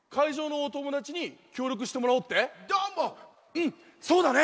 うんそうだね！